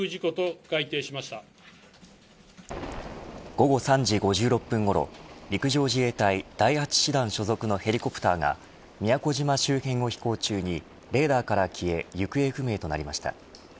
午後３時５６分ごろ陸上自衛隊第８師団所属のヘリコプターが宮古島周辺を飛行中にレーダーから消え行方不明となりました。